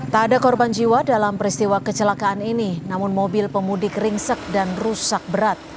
tak ada korban jiwa dalam peristiwa kecelakaan ini namun mobil pemudik ringsek dan rusak berat